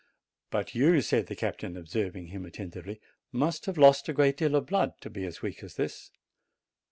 "But you," said the captain, observing him atten tively, "must have lost a great deal of blood to be as weak as this."